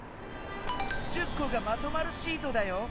「１０こがまとまるシート」だよ。